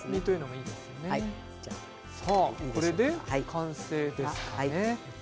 これで完成ですか。